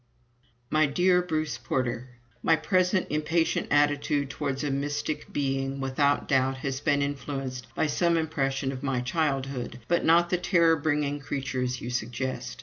MY DEAR BRUCE PORTER, My present impatient attitude towards a mystic being without doubt has been influenced by some impression of my childhood, but not the terror bringing creatures you suggest.